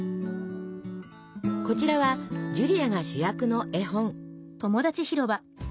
こちらはジュリアが主役の絵本。